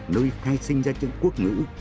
nơi khai sinh ra chữ quốc ngữ